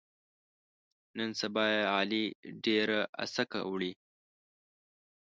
نن سبا یې علي ډېره اسکه وړوي.